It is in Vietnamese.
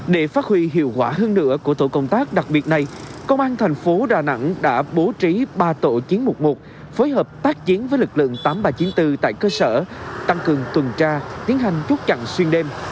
để phát huy hiệu quả hơn nữa của tổ công tác đặc biệt này công an thành phố đà nẵng đã bố trí ba tổ chín trăm một mươi một phối hợp tác chiến với lực lượng tám nghìn ba trăm chín mươi bốn tại cơ sở tăng cường tuần tra tiến hành chốt chặn xuyên đêm